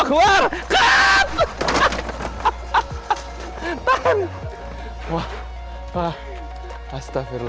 dan kemudian dikumpulkan ke dalam kentang